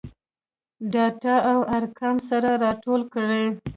ډاټا او ارقام سره راټول کړي.